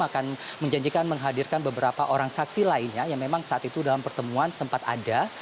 akan menjanjikan menghadirkan beberapa orang saksi lainnya yang memang saat itu dalam pertemuan sempat ada